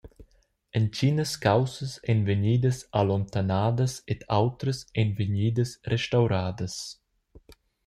Entginas caussas ein vegnidas allontanadas ed autras ein vegnidas restauradas.